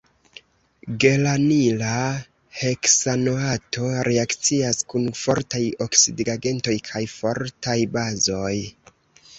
Geranila heksanoato reakcias kun fortaj oksidigagentoj kaj fortaj bazoj.